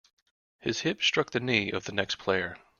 His hip struck the knee of the next player.